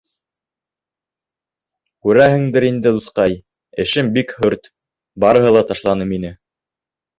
Күрәһеңдер инде, дуҫҡай, эшем бик хөрт, барыһы ла ташланы мине.